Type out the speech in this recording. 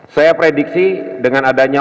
saya prediksi dengan adanya